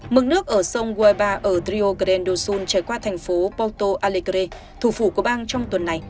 mực nước ở sông guaiba ở rio grande do sul trải qua thành phố porto alegre thủ phủ của bang trong tuần này